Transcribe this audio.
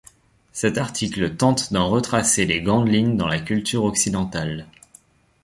Cet article tente d'en retracer les grandes lignes dans la culture occidentale.